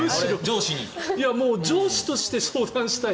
上司として相談したい。